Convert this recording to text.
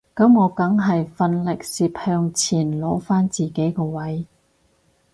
噉我梗係奮力攝向前攞返自己個位